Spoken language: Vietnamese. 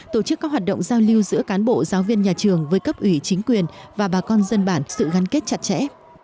tổ chức các hoạt động giao lưu giữa cán bộ giáo viên nhà trường với cấp ủy chính quyền và bà con dân bản sự gắn kết chặt chẽ